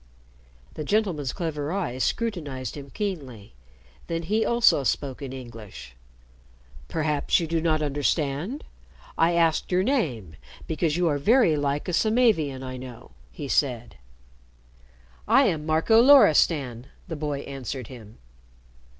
The gentleman's clever eyes scrutinized him keenly. Then he also spoke in English. "Perhaps you do not understand? I asked your name because you are very like a Samavian I know," he said. "I am Marco Loristan," the boy answered him.